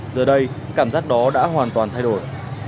giờ đây cảm giác đó đã hoàn toàn thay đổi